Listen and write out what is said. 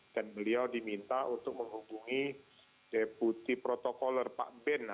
dan beliau diminta untuk menghubungi deputi protokoler pak ben